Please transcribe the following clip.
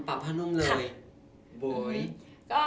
ปรับภาพนุ่มเลย